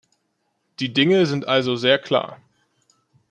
Die Dinge sind also sehr klar.